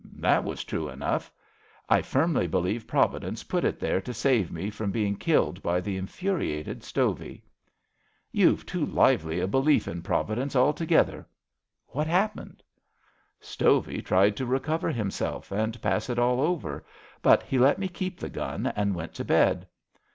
That was true^ enough. I firmly believe Providence put it there to save me from being killed by the infuriated Stovey." YouVe too lively a belief in Providence alto gether. What happened? ''*^ Stovey tried to recover himself and pass it all over, but he let me keep the gun and went to bed.